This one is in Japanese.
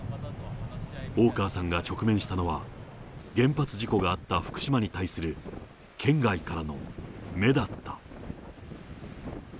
大川さんが直面したのは、原発事故があった福島に対する県外からの目だった。